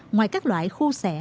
ngoài các loại khô sẻ